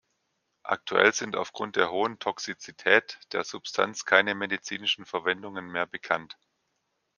Aktuell sind aufgrund der hohen Toxizität der Substanz keine medizinischen Verwendungen mehr bekannt.